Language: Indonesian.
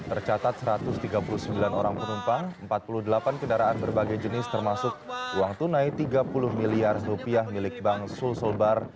tercatat satu ratus tiga puluh sembilan orang penumpang empat puluh delapan kendaraan berbagai jenis termasuk uang tunai tiga puluh miliar rupiah milik bank sulselbar